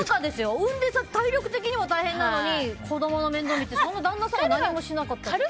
産んで、体力的にも大変なのに子供の面倒見てそんな旦那さんが何もしなかったら。